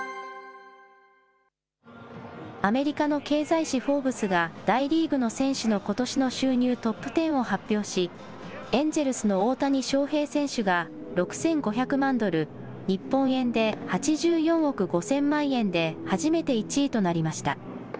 アメリカの経済誌、フォーブスが大リーグの選手のことしの収入トップテンを発表し、エンジェルスの大谷翔平選手が６５００万ドル、日本円で８４億５０００万円で、初めて１位となりました。